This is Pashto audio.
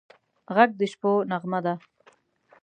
غږ د شپو نغمه ده